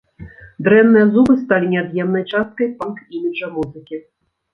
Дрэнныя зубы сталі неад'емнай часткай панк-іміджа музыкі.